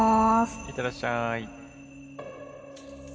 いってらっしゃい。